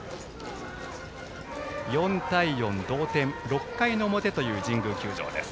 ４対４、同点６回の表という神宮球場です。